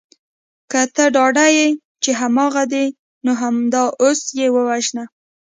که ته ډاډه یې چې هماغه دی نو همدا اوس یې ووژنه